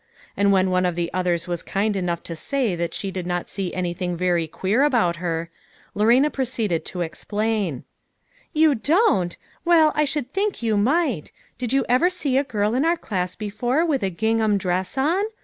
And when one of the others was kind enough to say that she did not see anything very queer about her, Lorena proceeded to explain. " You don't ! "Well, I should think yon might. Did you ever see a girl in our class before, with A SABBATH TO EEME1I11ER. 151 a gingham dress on?